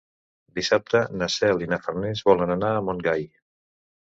Dissabte na Cel i na Farners volen anar a Montgai.